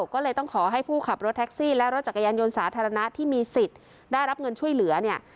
ก็เลยต้องขอให้ผู้ขับรถแท็กซี่และรถจักรยานยนต์สาธารณะที่มีสิทธิ์ได้รับเงินช่วยเหลือเนี่ย